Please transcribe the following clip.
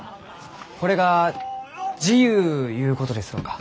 これが自由ゆうことですろうか？